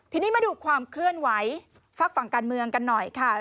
ทีนี้มาดูความเคลื่อนไหวฝากฝั่งการเมืองกันหน่อยค่ะ